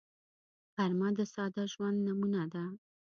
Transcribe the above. غرمه د ساده ژوند نمونه ده